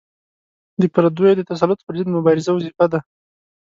د پردیو د تسلط پر ضد مبارزه وظیفه ده.